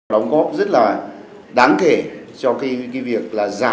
đóng góp rất là đáng kể cho cái việc là giảm